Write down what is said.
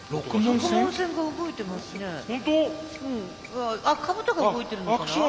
あかぶとが動いてるのかな？